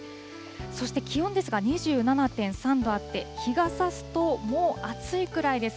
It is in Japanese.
そして、気温ですが、２７．３度あって、日がさすと、もう暑いくらいです。